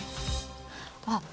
あっ！